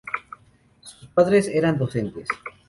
Sus padres eran docentes.